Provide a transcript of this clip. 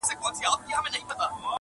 له تش چمن او لاله زار سره مي نه لګیږي٫